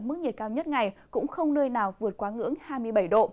mức nhiệt cao nhất ngày cũng không nơi nào vượt quá ngưỡng hai mươi bảy độ